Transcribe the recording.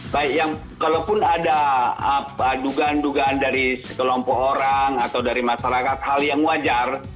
baik yang kalaupun ada dugaan dugaan dari sekelompok orang atau dari masyarakat hal yang wajar